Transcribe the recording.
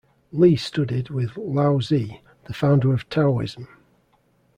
Li studied with Laozi, the founder of Taoism.